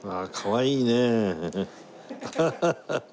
ハハハハ！